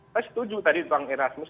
saya setuju tadi bang erasmus